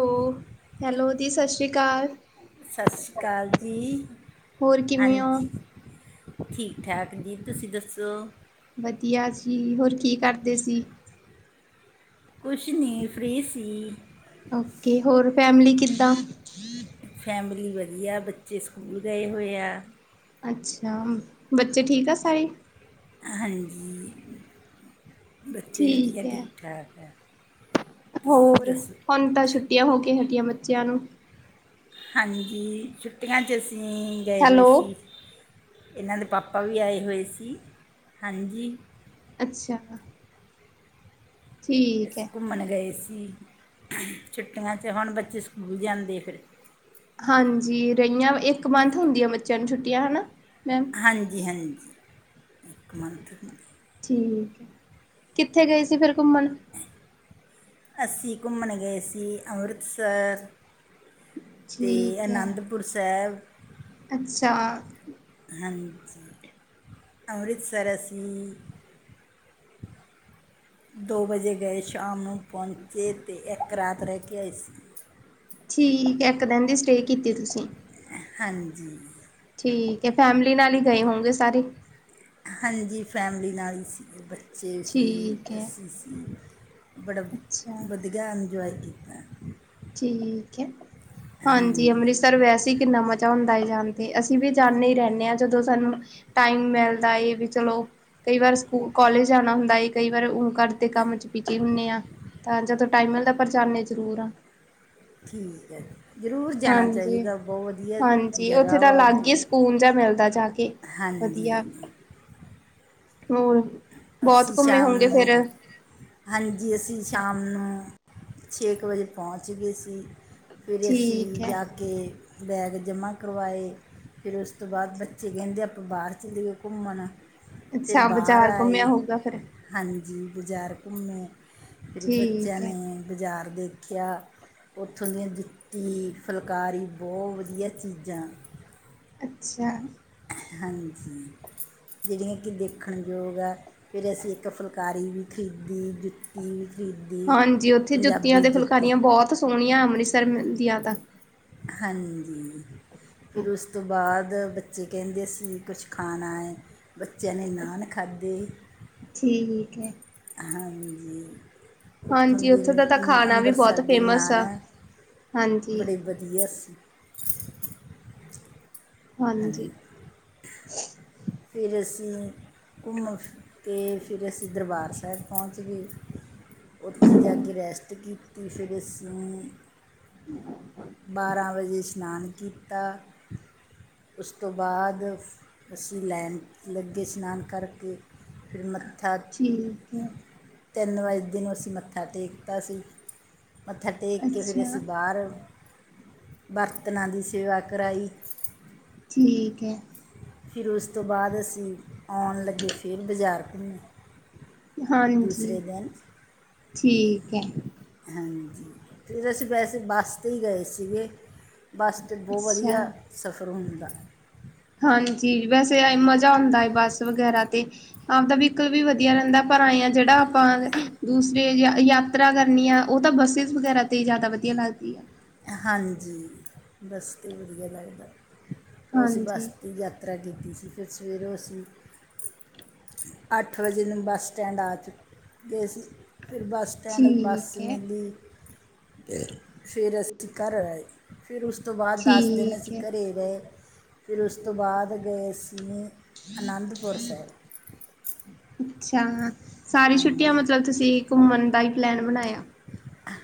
ਹੋ, ਹੈਲੋ ਦੀ ਸਸ਼੍ਰੀ ਅਕਾਲ। ਸਸ੍ਰੀ ਅਕਾਲ ਜੀ, ਹੋਰ ਕਿਵੇਂ ਹੋ? ਹਾਂਜੀ। ਠੀਕ- ਠਾਕ ਜੀ। ਤੁਸੀ ਦੱਸੋ? ਵਧੀਆ ਸੀ। ਹੋਰ ਕੀ ਕਰਦੇ ਸੀ? ਕੁਛ ਨੀ, ਫ੍ਰੀ ਸੀ‌। ਉਕੇ, ਹੋਰ ਫੈਮਿਲੀ ਕਿੱਦਾਂ। ਫੈਮਿਲੀ ਵਧੀਆ, ਬੱਚੇ ਸਕੂਲ ਗਏ ਹੋਏ ਆ। ਅੱਛਾ, ਬੱਚੇ ਠੀਕ ਆ ਸਾਏ। ਹਾਂਜੀ, ਬੱਚੇ ਵਧੀਆ ਠੀਕ- ਠਾਕ ਆ ਤੁਸੀਂ ਹੋਰ, ਦੱਸੋ ਹੁਨ ਤਾਂ ਛੁੱਟੀਆਂ ਹੋ ਕੇ ਹਟੀਆਂ ਬੱਚਿਆਂ ਨੂੰ। ਹਾਂਜੀ, ਛੁੱਟੀਆਂ 'ਚ ਅਸੀਂ ਗਏ ਹੋਏ ਸੀ। ਹੈਲੋ, ਇਹਨਾਂ ਦੇ ਪਾਪਾ ਵੀ ਆਏ ਹੋਏ ਸੀ, ਹਾਂਜੀ। ਅੱਛਾ ਹਾ ਅਸੀ ਹੈ। ਘੁੰਮਣ ਗਏ ਸੀ, ਛੁੱਟੀਆਂ 'ਚ ਹੁਣ ਬੱਚੇ ਸਕੂਲ ਜਾਂਦੇ ਫਿਰ। ਹਾਂਜੀ, ਰਹੀਆਂ, ਇੱਕ ਮੰਥ ਹੁੰਦੀਆ ਬੱਚਿਆਂ ਨੂੰ ਛੁੱਟੀਆਂ ਹਨਾ, ਮੈਮ। ਹਾਂਜੀ -ਹਾਂਜੀ, ਇੱਕ ਮੰਥ ਹੁੰਦੀ। ਠੀਕ ਹੈ, ਕਿੱਥੇ ਗਏ ਸੀ ਫੇਰ ਘੁੰਮਣ। ਅਸੀ ਘੁੰਮਨ ਗਏ ਸੀ, ਅੰਮ੍ਰਿਤਸਰ ਤੇ ਠੀਕ ਹੈ। ਆਨੰਦਪੁਰ ਸੈਹਬ। ਅੱਛਾ। ਹਾਂਜੀ, ਅੰਮ੍ਰਿਤਸਰ ਅਸੀਂ ਦੋ ਵਜੇ ਗਏ ਸ਼ਾਮ ਨੂੰ, ਪਹੁੰਚੇ ਤੇ ਇੱਕ ਰਾਤ ਰਹਿ ਕੇ ਆਏ ਸੀ ਠੀਕ ਐ, ਇੱਕ ਦਿਨ ਦੀ ਸਟੇਅ ਕੀਤੀ ਤੁਸੀਂ। ਅ ਹਾਂਜੀ। ਠੀਕ ਐ, ਫੈਮਿਲੀ ਨਾਲ ਹੀ ਗਏ ਹੋੋਂਗੇ ਸਾਰੇ। ਹਾਂਜੀ ਫੈਮਿਲੀ ਨਾਲ ਹੀ ਸੀਗੇ ਬੱ ਚੇ ਸੀ ਠੀਕ ਹੈ ਅਸੀ ਸੀ ਬੜਾ ਅੱਛਾ ਵਧੀਅ ਇੰਜੋਏ ਕੀਤੈ। ਠੀਕੈ, ਹਾਂਜੀ ਅੰਮ੍ਰਿਤਸਰ ਸਰ ਵੈਸੇ ਈ ਕਿੰਨਾ ਮਜ਼ਾ ਹੁੰਦਾ ਏ ਜਾਨ ਤੇ, ਅਸੀਂ ਵੀ ਜਾਨੇ ਈ ਰੈਂਨੇ ਆਂ ਜਦੋਂ ਸਾਨੂੰ ਟਾਈਮ ਮਿਲਦਾ ਏ ਵੀ ਚਲੋ ਕਈ ਵਾਰ ਸਕੂ ਕੋਲਜ ਜਾਣਾ ਹੁੰਦਾਏ, ਕਈ ਵਾਰ ਘਰ ਦੇ ਕੰਮ ਚ ਬੀਜੀ ਹੁੰਨੇ ਆ। ਤਾਂ ਜਦੋਂ ਟਾਈਮਾ ਮਿਲਦੈ ਪਰ ਜਾਨੇ ਜਰੂਰ ਆ। ਠੀਕੈ। ਹਾਂਜੀ-ਹਾਂਜੀ, ਓਥੇ ਜਗ੍ਹਾ ਤਾਂ ਵਾ ਅਲੱਗ ਈ ਬਹੁਤ ਸਕੂਨ ਜਾ ਮਿਲਦਾ ਜਾਕੇ। ਵਦੀਆ, ਹਾਂਜੀ ਹੋਰ ਬੋਤ ਅਸੀਂ ਕੁੰਮੇ ਸ਼ਾਮ ਹੋਂਗੇ ਫੇਰ? ਨੂੰ ਹਾਂਜੀ, ਅਸੀ ਸ਼ਾਮ ਨੂੰ ਛੇ ਕੁ ਵਜੇ ਪੋਂਚ ਗਏ ਸੀ। ਫੇਰ ਠੀਕ ਅਸੀ ਹੈ ਜਾਕੇ ਬੈਗ ਜਮਾ ਕਰਵਾਏ। ਫੇਰ ਉਸ ਤੋਂ ਬਾਦ ਬੱਚੇ ਕੈਂਦੇ ਆਪਾਂ ਬਾਰ ਚਲੀਏ ਘੁੰਮਣ। ਫਿਰ ਅੱਛਾ, ਬਾਹਰ ਬਾਜਾਰ ਕੁੰਮੇਆ ਆਏ ਹੋਊਗਾ ਫੇਰ। ਹਾਂਜੀ, ਬਜਾਰ ਘੁੰਮੇ ਫੇਰ ਬੱਚੇਆਂ ਠੀਕ ਹੈ ਨੇ ਬਜਾਰ ਦੇਖੇਆ। ਓਥੋਂ ਦੀਆਂ ਜੁੱਤੀ, ਫੁਲਕਾਰੀ ਬੋਤ ਵਦੀਆ ਚੀਜਾਂ। ਅੱਛਾ। ਹਾਂਜੀ। ਜੇੜੀਆਂ ਕਿ ਦੇਖਣ ਯੋਗ ਐ, ਫੇਰ ਅਸੀ ਇੱਕ ਫੁਲਕਾਰੀ ਵੀ ਖਰੀਦੀ। [unintelligible] ਪੰਜਾਬੀ ਜੁੱਤੀ। ਸੋਨੀਆ ਅੰਮ੍ਰਿਤਸਰ ਜਯਾਦਾ। ਹਾਂਜੀ, ਫਿਰ ਉਸ ਤੋਂ ਬਾਦ ਬੱਚੇ ਕੈਂਦੇ ਅਸੀ ਕੁਛ ਖਾਣਾਏ, ਬੱਚਿਆਂ ਨੇ ਨਾਨ ਖਾਧੇ ਠੀਕੈ। ਹਾਂਜੀ, ਓਥੋਂ ਹਾਂਜੀ ਦੀ ਉੱਥੋਂ ਦਾ ਤਾਂ ਖਾਣਾ ਵੀ ਬਹੁਤ ਅੰਮ੍ਰਿਤਸਰ ਦੇ ਫੇਮਸ ਨਾਨ ਆ ਐ ਹਾਂਜੀ ਬੜੇ ਵਧੀਆ ਸੀ। ਹਾਂਜੀ। ਫੇਰ ਅਸੀ ਕੁੰਮ ਕੇ ਫੇਰ ਅਸੀ ਦਰਬਾਰ ਸੈਬ ਪੋਂਚ ਗਏ। ਓਥੇ ਜਾਕੇ ਰੈਸਟ ਕੀਤੀ ਫੇਰ ਅਸੀ ਬਾਰਾਂ ਵਜੇ ਸ਼ਨਾਨ ਕੀਤਾ। ਉਸ ਤੋਂ ਬਾਦ ਲੈਣ ਲੱਗੇ ਸ਼ਨਾਨ ਕਰਕੇ ਫਿਰ ਮੱਥਾ ਠੀਕ ਹੈ ਤਿੰਨ ਵਜਦੇ ਨੂੰ ਅਸੀ ਮੱਥਾ ਟੇਕਤਾ ਸੀ। ਮੱਥਾ ਟੇਕ ਕੇ ਫੇਰ ਅਸੀ ਅੱਛਾ ਬਾਰ ਬਰਤਨਾਂ ਦੀ ਸੇਵਾ ਕਰਾਈ। ਠੀਕੈ। ਫੇਰ ਉਸ ਤੋਂ ਬਾਦ ਅਸੀ ਆਉਣ ਲੱਗੇ ਫੇਰ ਬਜਾਰ ਕੁੰਮੇ। ਹਾਂਜੀ, ਠੀਕੈ। ਹਾਂਜੀ, ਫਿਰ ਅਸੀਂ 'ਤੇ ਈ ਗਏ ਸੀਗੇ, ਬੱਸ ਤੇ ਬਓ ਅੱਛਾ ਵਦੀਆ ਸਫਰ ਹੁੰਦੈ। ਹਾਂਜੀ, ਵੈਸੇ ਆਏ ਮਜਾਂ ਆਂਦਾ ਏ ਬੱਸ ਵਗੈਰਾ ਤੇ। ਆਪ ਦਾ ਵੀਕਲ ਵੀ ਵਧੀਆ ਰੈਂਦੇ ਪਰ ਆਏਂ ਆ ਜੇੜਾ ਆਪਾਂ ਦੂਸਰੇ ਏਰੀਆਂ ਯਾ ਯਾਤਰਾ ਕਰਨੀ ਆ, ਓਤਾਂ ਬੱਸਿਸ ਵਗੈਰਾ ਤੇ ਈ ਜਾਦਾ ਵਧੀਆ ਲੱਗਦੀ ਆ। ਹਾਂਜੀ, ਬੱਸ ਤੇਈ ਵਧੀਆ ਲੱਗਦਾ, ਓ ਅਸੀ ਬੱਸ ਹਾਂਜੀ 'ਤੇ ਯ ਯਾਤਰਾ ਕੀਤੀ ਸੀ, ਫੇਰ ਸਵੇਰੇ ਅਸੀ ਅੱਠ ਵਜੇ ਨੂੰ ਬਸ ਟੈਂਡ ਆ ਚੁੱਕੇ ਸੀ ਫਿਰ ਬੱਸ ਸਟੈਂਡ ਬੱਸ ਠੀਕ ਹੈ ਮਿਲੀ ਫੇਰ ਅਸੀਂ ਘਰ ਆਏ ਫਿਰ ਉਸ ਤੋਂ ਬਾਦ ਦਸ ਦਿਨ ਠੀਕ ਅਸੀਂ ਹੈ ਘਰੇ ਗਏ ਫਿਰ ਉਸ ਤੋਂ ਬਾਦ ਗਏ ਸੀ ਅਨੰਦਪੁਰ ਸੈਬ। ਅੱਛਾ ਸਾਰੀ ਛੁੱਟੀਆਂ ਹਾਂਜੀ ਮਤਲਬ ਤੁਸੀਂ ਘੁੰਮਣ ਦਾ ਈ ਪਲੈਨ ਬਣਾਇਆ।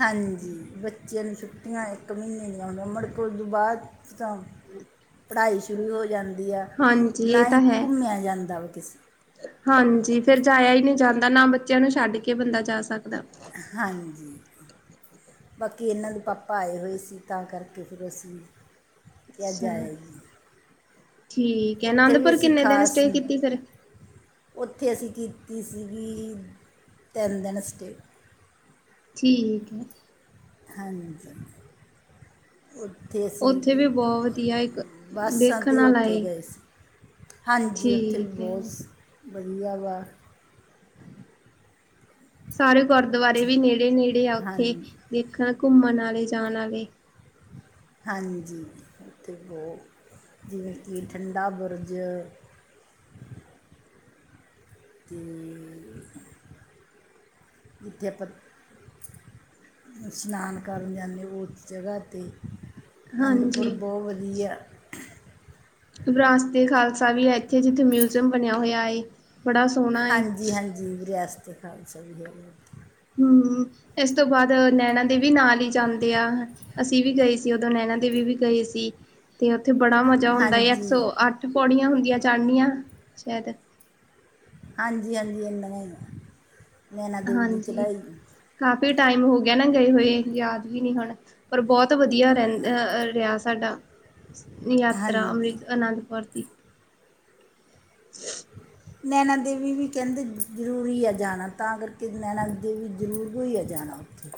ਹਾਂਜੀ, ਬੱਚਿਆਂ ਨੂੰ ਛੁੱਟੀਆਂ ਇੱਕ ਮੀਨੇ ਦੀਆਂ ਹੁੰਦੀਆਂ ਮੁੜਕੇ ਓਦੋਂ ਤੋਂ ਬਾਦ [unintelligible] ਪੜ੍ਹਾਈ ਸ਼ੁਰੂ ਹੋ ਜਾਂਦੀ ਆ ਹਾਂਜੀ ਇਹ ਨਾਹੀ ਤਾਂ ਹੈ ਘੁੰਮਿਆ ਜਾਂਦਾ ਵਾ ਕਿਸੇ ਹਾਂਜੀ ਫਿਰ ਜਾਇਆ ਈ ਨੀ ਜਾਂਦਾ ਨਾ ਬੱਚਿਆਂ ਨੂੰ ਛੱਡ ਕੇ ਬੰਦਾ ਜਾ ਸਕਦਾ। ਹਾਂਜੀ। ਬਾਕੀ ਏਨਾਂ ਦੇ ਪਾਪਾ ਆਏ ਹੋਏ ਸੀ ਤਾਂ ਕਰਕੇ ਫਿਰ ਅਸੀਂ ਕਿਹਆ ਅੱਛਾ ਜਾ ਆਈਏ। ਠੀਕ ਐ ਨੰਦਪੁਰ ਕਿੰਨੇ ਦਿਨ ਸਟੇਅ ਕੀਤੀ ਫਿਰ? ਓਥੇ ਅਸੀਂ ਕੀਤੀ ਸੀਗੀ ਤਿੰਨ ਦਿਨ ਸਟੇਅ। ਠੀਕ ਐ। ਹਾਂਜੀ। ਓਥੇ ਅਸੀਂ ਉੱਥੇ ਵੀ ਬਹੁਤ ਵਧੀਆ ਇੱਕ ਬੱਸਾਂ ਦੇਖਣ ਤੇ ਈ ਵਾਲਾ ਉੱਥੇ ਏ ਗਏ ਸੀ। ਹਾਂਜੀ ਓਥੇ ਵੀ ਠੀਕ ਹੈ ਬੋਸ ਵਧੀਆ ਵਾ ਸਾਰੇ ਗੁਰਦੁਆਰੇ ਵੀ ਨੇੜੇ-ਨੇੜੇ ਆ ਉੱਥੇ ਹਾਂਜੀ ਦੇਖਣ-ਘੁੰਮਣ ਆਲੇ ਜਾਣ ਆਲੇ। ਹਾਂਜੀ ਉੱਥੇ ਵੀ ਬੋਹ ਜਿਵੇਂ ਕੀ ਠੰਡਾ ਬੁਰਜ ਤੇ ਜਿੱਥੇ ਆਪਾਂ ਇਸ਼ਨਾਨ ਕਰਨ ਜਾਂਨੇ ਆਂ ਓਸ ਜਗ੍ਹਾ ਤੇ ਅਨੰਦਪੁਰ ਹਾਂਜੀ ਬੋ ਵਧੀਆ। ਵਿਰਾਸਤ ਏ ਖਾਲਸਾ ਵੀ ਐ ਇੱਥੇ ਜਿੱਥੇ ਮਿਊਜ਼ੀਅਮ ਬਣਿਆ ਹੋਇਆ ਏ। ਬੜਾ ਸੋਹਣਾ ਏ ਹਾਂਜੀ-ਹਾਂਜੀ ਵਿਰਿਆਸਤ ਏ ਖਾਲਸਾ ਵੀ ਹੈਗਾ। ਹੂੰ ਇਸ ਤੋਂ ਬਾਦ ਨੈਣਾ ਦੇਵੀ ਨਾਲ ਈ ਜਾਂਦੇ ਆ ਅਸੀਂ ਵੀ ਗਏ ਸੀ ਓਦੋਂ ਨੈਣਾ ਦੇਵੀ ਵੀ ਗਏ ਸੀ। ਤੇ ਓਥੇ ਬੜਾ ਮਜ਼ਾ ਔਂਦਾ ਏ ਇੱਕ ਹਾਂਜੀ ਸੌ ਅੱਠ ਪੌੜੀਆਂ ਹੁੰਦੀਆਂ ਚੜਨੀਆ ਸ਼ੈਦ ਹਾਂਜੀ-ਹਾਂਜੀ ਇੰਨੀਆ ਈ ਨੇ ਨੈਣਾ ਦੇਵੀ ਦੀ ਹਾਂਜੀ ਚੜ੍ਹਾਈ ਕਾਫੀ ਟਾਈਮ ਹੋ ਗਿਆ ਨਾ ਗਏ ਹੋਏ ਯਾਦ ਵੀ ਨੀ ਹੁਣ। ਪਰ ਬੋਤ ਵਧੀਆ ਰੈਂ ਅ-ਅ ਰਿਆ ਸਾਡਾ ਯਾਤਰਾ ਹਾਂਜੀ ਅੰਮ੍ਰਿਤ ਅਨੰਦਪੁਰ ਦੀ। [inaudible] ਨੈਣਾ ਦੇਵੀ ਵੀ ਕੈਂਦੇ ਜ਼ਰੂਰੀ ਐ ਜਾਣਾ ਤਾਂ ਕਰਕੇ ਨੈਣਾ ਦੇਵੀ ਜਰੂਰੀ ਈ ਆ ਜਾਣਾ। ਓਥੇ।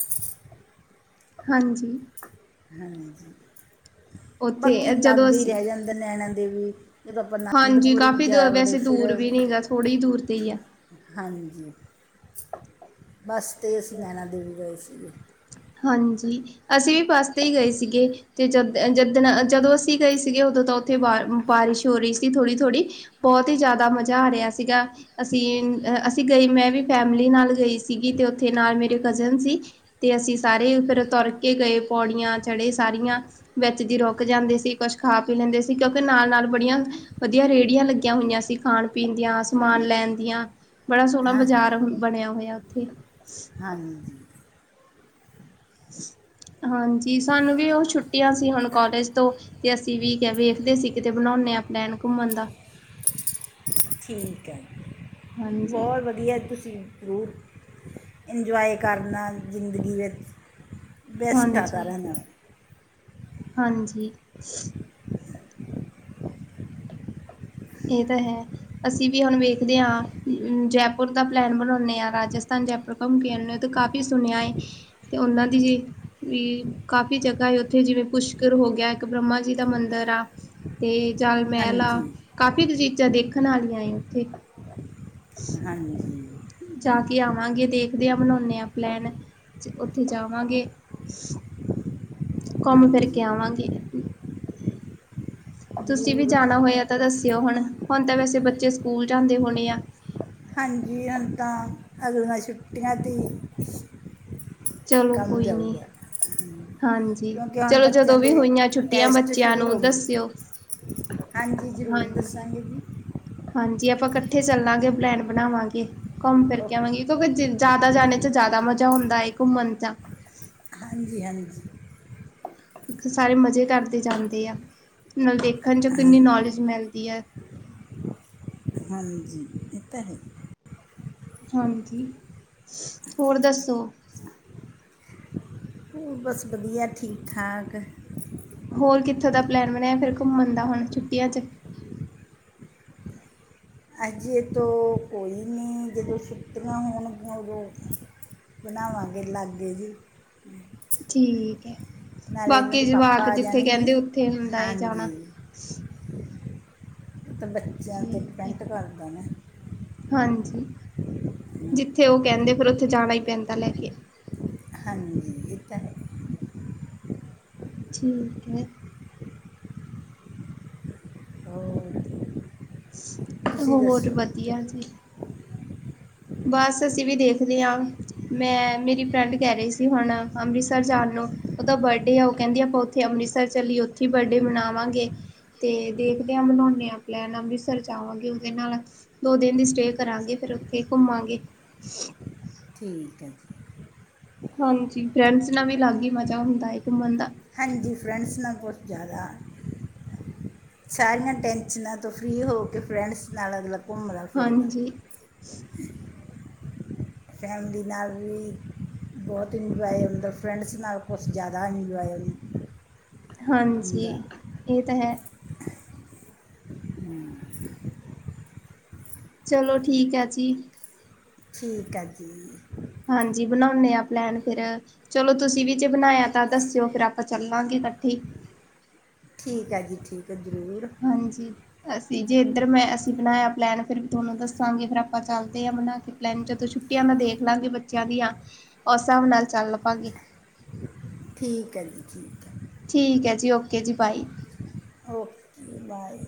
ਹਾਂਜੀ। ਹਾਂਜੀ ਉੱਥੇ ਬਾਕੀ ਜਦੋਂ ਲਾਗੇ ਈ ਅਸੀਂ ਰੈ ਜਾਂਦਾ ਨੈਣਾ ਦੇਵੀ। ਜਦੋਂ ਆਪਾਂ ਹਾਂਜੀ ਅਨੰਦਪੁਰ ਵੀ ਕਾਫੀ ਦ ਜਾ ਵੜੇ ਵੈਸੇ ਫਿਰ ਦੂਰ ਵੀ ਨੀ ਹੈਗਾ ਥੋੜੀ ਦੂਰ ਤੇ ਹੀ ਆ। ਹਾਂਜੀ ਬਸ ਤੇ ਅਸੀਂ ਨੈਣਾ ਦੇਵੀ ਗਏ ਸੀਗੇ। ਹਾਂਜੀ ਅਸੀਂ ਵੀ ਬਸ ਤੇ ਈ ਗਏ ਸੀਗੇ ਤੇ ਜਦ ਜਿੱਦਣ ਜਦੋਂ ਅਸੀਂ ਗਏ ਸੀ ਸੀਗੇ ਓਦੋਂ ਤਾਂ ਉੱਥੇ ਬਾਰ ਬਾਰਿਸ਼ ਹੋਰੀ ਸੀ ਥੋੜੀ-ਥੋੜੀ ਬੋਤ ਈ ਜਾਦਾ ਮਜ਼ਾ ਆ ਰਿਆ ਸੀਗਾ। ਅਸੀਂ ਅ ਅਸੀਂ ਗਈ ਮੈਂ ਵੀ ਫੈਮਲੀ ਨਾਲ ਗਈ ਸੀਗੀ ਤੇ ਉੱਥੇ ਨਾਲ ਮੇਰੇ ਕਜ਼ਨ ਸੀ ਤੇ ਅਸੀਂ ਸਾਰੇ ਫਿਰ ਤੁਰ ਕੇ ਗਏ ਪੌੜੀਆਂ ਚੜ੍ਹੇ ਸਾਰੀਆਂ। ਵਿੱਚ ਜੀ ਰੁਕ ਜਾਂਦੇ ਸੀ ਕੁਛ ਖਾ ਪੀ ਲੈਂਦੇ ਸੀ ਕਿਉਂਕਿ ਨਾਲ- -ਨਾਲ ਬੜੀਆਂ ਵਧੀਆ ਰੇੜੀਆਂ ਲੱਗੀਆਂ ਹੋਈਆਂ ਸੀ ਖਾਣ-ਪੀਣ ਦੀਆਂ, ਸਮਾਨ ਲੈਣ ਦੀਆਂ ਬੜਾ ਸੋਣਾ ਹਾਂ ਬਜ਼ਾਰ ਬਣਿਆ ਹੋਇਆ ਓਥੇ। ਹਾਂਜੀ। ਹਾਂਜੀ ਸਾਨੂੰ ਵੀ ਓ ਛੁੱਟੀਆਂ ਸੀ ਹੁਣ ਕੋਲਜ ਤੋਂ ਤੇ ਅਸੀਂ ਵੀ -ਕ ਵੇਖਦੇ ਸੀ ਕਿਤੇ ਬਣਾਉਂਨੇ ਆ ਪਲੈਨ ਘੁੰਮਣ ਦਾ। ਠੀਕ ਹੈ, ਹਾਂਜੀ ਬਹੁਤ ਵਧੀਆ ਤੁਸੀਂ ਰੂ ਇੰਜੋਏ ਕਰਨ ਨਾਲ਼ ਜ਼ਿੰਦਗੀ ਵਿੱਚ ਬੈਸਟ ਆ ਹਾਂਜੀ ਸਾਰਿਆ ਨਾਲ ਹਾਂਜੀ। ਏ ਤਾਂ ਹੈ। ਅਸੀਂ ਵੀ ਹੁਣ ਵੇਖਦੇ ਹਾ, ਜੈਪੁਰ ਦਾ ਪਲੈਨ ਬਣਾਉਂਨੇ ਆ, ਰਾਜਸਥਾਨ ਜੈਪ ਘਮ ਕੇ ਆਉਨੇ, ਤੇ ਕਾਫ਼ੀ ਸੁਣਿਆ ਏ ਤੇ ਉਹਨਾਂ ਦੀ ਜ ਵੀ ਕਾਫ਼ੀ ਜਗਾ ਹੈ ਉੱਥੇ ਜਿਵੇਂ ਪੁਸ਼ਕਰ ਹੋ ਗਿਆ, ਇੱਕ ਬ੍ਰਹਮਾ ਜੀ ਦਾ ਮੰਦਿਰ ਆ। ਤੇ ਜਲ ਮਹਿਲ ਆ ਹਾਂਜੀ ਕਾਫੀ -ਕੁ ਚੀਜ਼ਾਂ ਦੇਖਣ ਆਲੀਆਂ ਆ ਉੱਥੇ। ਹਾਂਜੀ। ਜਾ ਕੇ ਆਵਾਂਗੇ, ਦੇਖਦੇ ਹਾਂ ਬਨਾਉਨੇ ਆ ਪਲੈਨ ਉੱਥੇ ਜਾਵਾਂਗੇ। ਘੁੰਮ ਫਿਰ ਕੇ ਹਾਂਜੀ ਆਂਵਾਂਗੇ। ਤੁਸੀਂ ਵੀ ਜ਼ਰੂਰ ਜਾਣਾ ਹੋਇਆ ਤਾਂ ਦੱਸਿਓ ਹੁਣ- ਹੁਣ ਤਾਂ ਵੈਸੇ ਬੱਚੇ ਸਕੂਲ ਜਾਂਦੇ ਹੋਣੇ ਆ ਹਾਂਜੀ ਹੁਣ ਤਾਂ ਅਗਲੀਆਂ ਛੁੱਟੀਆਂ ਤੇ ਈ। ਚਲੋ ਕੰਮ ਕੋਈ ਨੀ ਜਾਊਗਾ, ਹੂੰ ਹਾਂਜੀ ਕਿਉਂਕਿ ਹੁਣ ਚਲੋ ਬੱਚਿਆਂ ਜਦੋਂ ਵੀ ਦੇ ਹੋਈਆਂ ਛੁੱਟੀਆਂ ਟੈਸਟ ਬੱਚਿਆਂ ਸ਼ੁਰੂ ਨੂੰ ਹੋਗੀ, ਦੱਸਿਓ ਹਾਂਜੀ ਜ਼ਰੂਰ ਹਾਂਜੀ ਦੱਸਾਂਗੇ ਜੀ। ਹਾਂਜੀ ਆਪਾਂ ਇਕੱਠੇ ਚੱਲਾਂਗੇ ਪਲੈਨ ਬਣਾਵਾਂਗੇ, ਘੁੰਮ ਫਿਰ ਕੇ ਓਕੇ ਆਵਾਂਗੇ ਕਿਉਕਿ ਜ ਜ਼ਿਆਦਾ ਜਾਣੇ ਚ ਜ਼ਿਆਦਾ ਮਜ਼ਾ ਹੁੰਦਾ ਏ ਘੁੰਮਣ ਚਾ। ਹਾਜੀ- ਹਾਂਜੀ। ਦੇਖੋਂ ਸਾਰੇ ਮਜ਼ੇ ਕਰਦੇ ਜਾਂਦੇ ਆ, ਨਾਲ ਦੇਖਣ ਚੋ ਹਾਂ, ਕਿੰਨੀ ਨੌਲੇਜ ਮਿਲਦੀ ਐ ਹਾਂਜੀ, ਇਹ ਤਾਂ ਹੈ। ਹਾਂਜੀ, ਹੋਰ ਦੱਸੋ। ਹੋਰ ਬਸ ਵਧੀਆ ਠੀਕ -ਠਾਕ। ਹੋਰ ਕਿੱਥੋਂ ਦਾ ਪਲੈਨ ਬਣਿਆਂ ਫਿਰ ਘੁੰਮਣ ਦਾ ਹੁਣ, ਛੁਟੀਆਂ ਚ ਅਜ਼ੇ ਤੋਂ ਕੋਈ ਨੀ, ਜਦੋਂ ਛੁੱਟੀਆਂ ਹੋਣਗੀਆ ਉਦੋਂ। ਬਣਾਵਾਂਗੇ ਲਾਗੇ ਜੇ, ਹੂੰ। ਠੀਕ ਏ, ਬਾਕੀ ਦੇ ਪਾਪਾ ਜਵਾਕ ਆ ਜਿੱਥੇ ਜਾਣਗੇ ਕਹਿੰਦੇ ਉੱਥੇ ਹੁੰਦਾ ਏ ਜਾਣਾਂ। ਉਹ ਤੇ ਬੱਚਿਆਂ ਤੇ ਠੀਕ ਹੈ। ਡਿਪੈਂਟ ਕਰਦਾ ਨਾ। ਹਾਂਜੀ, ਹਮ, ਜਿੱਥੇ ਉਹ ਕਹਿੰਦੇ ਫਿਰ ਉੱਥੇ ਜਾਣਾ ਈ ਪੈਂਦਾ ਲੈ ਕੇ। ਹਾਂਜੀ, ਇਹ ਤਾਂ ਹੈ। ਠੀਕ ਏ। ਹੋਰ ਤੁਸੀਂ ਹੋਰ ਦੱਸੋ ਵਧੀਆ ਜੀ। ਬਸ ਚਲੋ ਅਸੀਂ ਵੀ ਦੇਖਦੇ ਆਂ। ਮੈਂ, ਮੇਰੀ ਫਰੈਂਡ ਕਹਿ ਰਹੀ ਸੀ ਹੁਣ ਅੰਮ੍ਰਿਤਸਰ ਜਾਣ ਨੂੰ। ਉਹਦਾ ਬਡੇ ਆ, ਉਹ ਕਹਿੰਦੀ ਆਪਾਂ ਉੱਥੇ ਅੰਮ੍ਰਿਤਸਰ ਚੱਲੀਏ ਉੱਥੇ ਈ ਬਡੇ ਮਨਾਵਾਂਗੇ। ਤੇ ਦੇਖਦੇ ਆ ਬਨਾਉਨੇ ਆ ਪਲੈਨ, ਅੰਮ੍ਰਿਤਸਰ ਜਾਵਾਂਗੇ ਉਹਦੇ ਨਾਲ ਦੋ ਦਿਨ ਦੀ ਸਟੇਅ ਕਰਾਂਗੇ, ਫਿਰ ਉੱਥੇ ਘੁੰਮਾਂਗੇ। ਠੀਕ ਐ ਜ ਹਾਂਜੀ, ਫਰੈਂਡਸ ਨਾਲ ਵੀ ਅਲੱਗ ਈ ਮਜ਼ਾ ਹੁੰਦਾ ਏ ਘੁੰਮਣ ਦਾ। ਹਾਂਜੀ, ਫਰੈਂਡਸ ਨਾਲ ਕੁਛ ਜਾਆਦਾ। ਸਾਰੀਆਂ ਟੈਨਸ਼ਨਾਂ ਤੋਂ ਫ਼ਰੀ ਹੋ ਕੇ ਫਰੈਂਡਸ ਨਾਲ ਅਗਲਾ ਘੁੰਮਦਾ ਫਿਰਦਾ ਹਾਂਜੀ। ਫੈਮਲੀ ਨਾਲ ਵੀ। ਬੋਹੋਤ ਇਨਜੁਆਏ ਹੁੰਦਾ। ਫਰੈਂਡਸ ਨਾਲ ਕੁਛ ਜਿਆਦਾ ਇਨਜੁਆਏ ਹੁੰ ਹਾਂਜੀ, ਏ ਤਾਂ ਹੈ। ਹੂੰ। ਚਲੋ, ਠੀਕ ਐ ਜੀ। ਠੀਕ ਆ ਜੀ। ਹਾਂਜੀ, ਬਣਾਉਂਨੇ ਆਂ ਪਲੈਨ ਫੇਰ। ਚਲੋ ਤੁਸੀਂ ਵੀ ਜੇ ਬਣਾਇਆ ਤਾਂ ਦੱਸਿਓ ਫੇਰ ਆ ਪਾਂ ਚੱਲਾਂਗੇ ਕੱਠੇ ਈ। ਠੀਕ ਐ ਜੀ, ਠੀਕ ਐ। ਜਰੂਰ। ਹਾਂਜੀ। ਅਸੀਂ ਜੇ ਇੱਧਰ ਮੈਂ ਅਸੀਂ ਬਨਾਇਆ ਪਲੈਨ ਫਿਰ ਥੁਓਨੂੰ ਦੱਸਾਂਗੇ ਫਿਰ ਆਪਾਂ ਚੱਲਦੇ ਆ ਬਨਾ ਕੇ ਪਲੈਨ। ਜਦੋਂ ਛੁੱਟੀਆਂ ਦਾ ਦੇਖ ਲਾਂਗੀ ਬੱਚਿਆਂ ਦੀਆਂ, ਓਸ ਸਾਬ ਨਾਲ ਚੱਲ ਪਾਂਗੀ। ਠੀਕ ਐ ਜੀ, ਠੀਕ ਐ। ਠੀਕ ਐ ਜੀ। ਓਕੇ ਜੀ, ਬਾਈ। Okay, bye.